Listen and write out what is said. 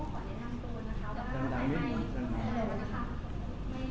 ดังดังนิดนึงดังดัง